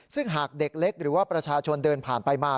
ซึ่งหากเด็กเล็กหรือว่าประชาชนเดินผ่านไปมา